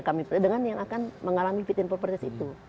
kelompok yang akan mengalami fit and proper test itu